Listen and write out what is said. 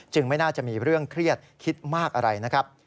ไม่น่าจะมีเรื่องเครียดคิดมากอะไรนะครับ